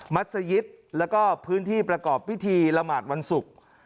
สยิตแล้วก็พื้นที่ประกอบพิธีละหมาดวันศุกร์